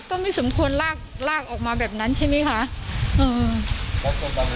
ก็ไม่สมควรลากลากออกมาแบบนั้นใช่ไหมคะ